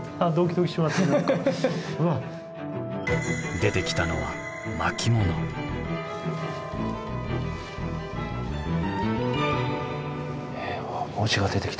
出てきたのは文字が出てきた。